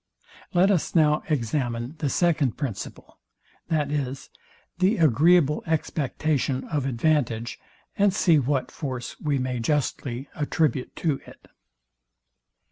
Let us now examine the second principle, viz, the agreeable expectation of advantage, and see what force we may justly attribute to it.